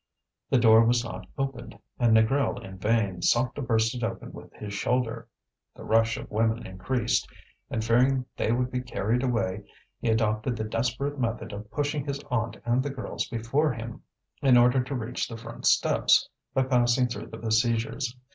The door was not opened, and Négrel in vain sought to burst it open with his shoulder. The rush of women increased, and fearing they would be carried away, he adopted the desperate method of pushing his aunt and the girls before him, in order to reach the front steps, by passing through the besiegers.